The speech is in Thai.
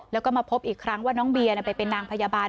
แล้วก็มาพบอีกครั้งว่าน้องเบียร์ไปเป็นนางพยาบาล